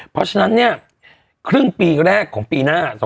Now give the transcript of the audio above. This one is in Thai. เพราะฉะนั้นเนี่ยครึ่งปีแรกของปีหน้า๒๕๖